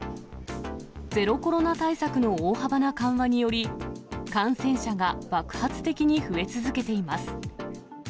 ゼロコロナ対策の大幅な緩和により、感染者が爆発的に増え続けています。